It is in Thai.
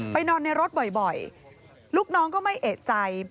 นอนในรถบ่อยลูกน้องก็ไม่เอกใจ